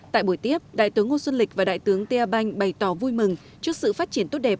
tại buổi tiếp đại tướng ngô xuân lịch và đại tướng tia banh bày tỏ vui mừng trước sự phát triển tốt đẹp